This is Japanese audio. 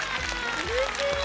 うれしい！